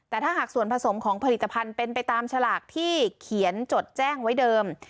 แต่ถ้าหากส่วนผสมของผลิตภัณฑ์เป็นไปตามฉลากที่เขียนจดแจ้งไว้เดิม